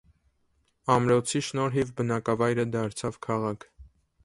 Ամրոցի շնորհիվ բնակավայրը դարձավ քաղաք։